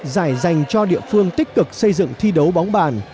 giải dành cho địa phương tích cực xây dựng thi đấu bóng bàn